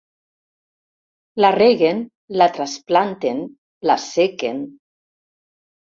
La reguen, la trasplanten, l'assequen.